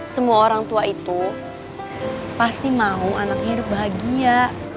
semua orang tua itu pasti mau anaknya hidup bahagia